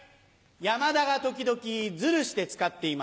山田が時々ズルして使っています。